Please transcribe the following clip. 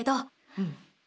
うん。